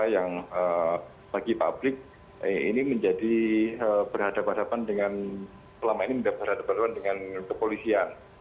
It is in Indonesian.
yang bagi publik ini menjadi berhadapan dengan kepolisian